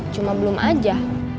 cuma belum aja